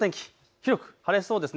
広く晴れそうです。